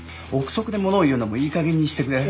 臆測でものを言うのもいい加減にしてくれ。